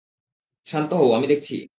শান্ত হও, আমি দেখছি।